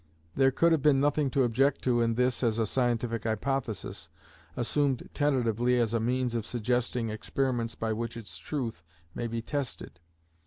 There would have been nothing to object to in this as a scientific hypothesis, assumed tentatively as a means of suggesting experiments by which its truth may be tested.